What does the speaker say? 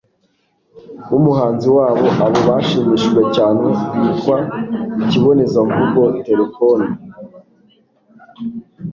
w'umuhanzi wabo, abo bashimishijwe cyane bitwa 'ikibonezamvugo-telefone'